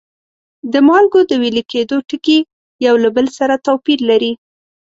د مالګو د ویلي کیدو ټکي یو له بل سره توپیر لري.